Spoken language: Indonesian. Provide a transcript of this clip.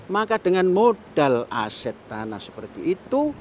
maka dengan modal aset tanah seperti itu